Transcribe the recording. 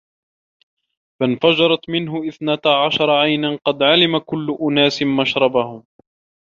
فَانْفَجَرَتْ مِنْهُ اثْنَتَا عَشْرَةَ عَيْنًا ۖ قَدْ عَلِمَ كُلُّ أُنَاسٍ مَشْرَبَهُمْ ۖ